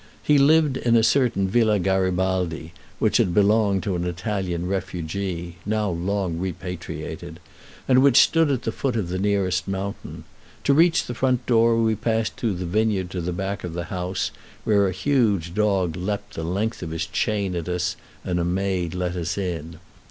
He lived in a certain Villa Garibaldi, which had belonged to an Italian refugee, now long repatriated, and which stood at the foot of the nearest mountain. To reach the front door we passed through the vineyard to the back of the house, where a huge dog leaped the length of his chain at us, and a maid let us in.